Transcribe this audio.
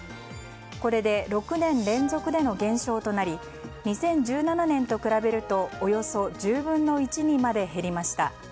これで６年連続での減少となり２０１７年と比べるとおよそ１０分の１にまで減りました。